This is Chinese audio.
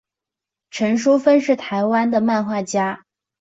陈淑芬是台湾的漫画家。